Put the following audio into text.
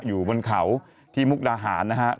อยู่บนเขาที่มุรธาหารนะฮะ